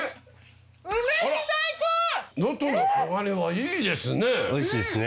能登の毛ガニはいいですね。